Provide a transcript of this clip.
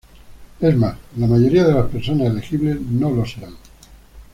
Es más, la mayoría de las personas elegibles no lo serán.